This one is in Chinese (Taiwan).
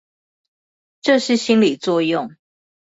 這是心理作用